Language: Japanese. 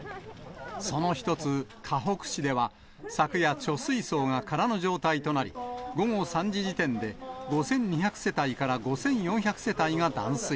その１つ、かほく市では、昨夜、貯水槽が空の状態となり、午後３時時点で、５２００世帯から５４００世帯が断水。